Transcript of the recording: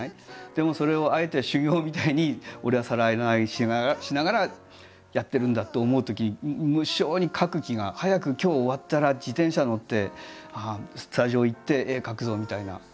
でもそれをあえて修業みたいに俺は皿洗いしながらやってるんだって思うとき無性に描く気が早く今日終わったら自転車乗ってスタジオ行って絵描くぞみたいな。